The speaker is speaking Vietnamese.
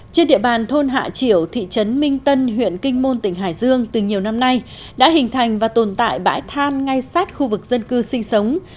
trên địa bàn thôn hạ triểu thị trấn minh tân huyện kinh môn tỉnh hải dương từ nhiều năm nay đã hình thành và tồn tại bãi than ngay sát khu vực dân cư sinh sống